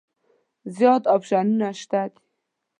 زیات اپشنونه شته دي.